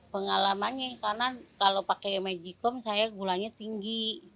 pengalamannya karena kalau pakai mejikom saya gulanya tinggi